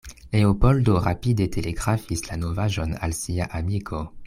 Leopoldo rapide telegrafis la novaĵon al sia amiko.